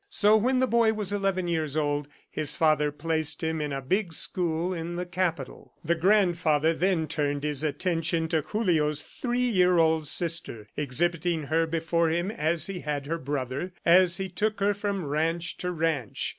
So when the boy was eleven years old, his father placed him in a big school in the Capital. The grandfather then turned his attention to Julio's three year old sister, exhibiting her before him as he had her brother, as he took her from ranch to ranch.